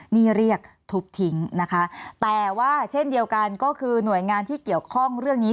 นี่เรียกทุบทิ้งนะคะแต่ว่าเช่นเดียวกันก็คือหน่วยงานที่เกี่ยวข้องเรื่องนี้